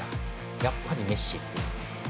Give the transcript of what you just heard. やっぱり、メッシという。